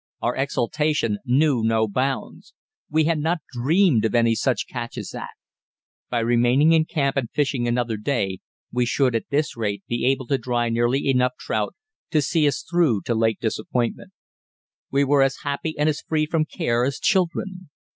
Our exultation knew no bounds. We had not dreamed of any such catch as that. By remaining in camp and fishing another day, we should, at this rate, be able to dry nearly enough trout to see us through to Lake Disappointment. We were as happy and as free from care as children.